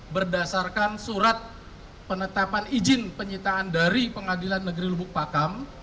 berdasarkan surat penetapan izin penyitaan dari pengadilan negeri lubuk pakam